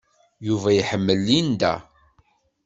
Yuba iḥemmel Linda.